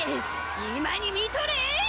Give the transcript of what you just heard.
今に見とれ！